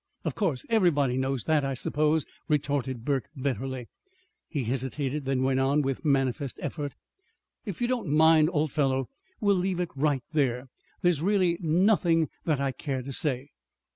"Of course! Everybody knows that, I suppose," retorted Burke bitterly. He hesitated, then went on, with manifest effort: "If you don't mind, old fellow, we'll leave it right there. There's really nothing that I care to say."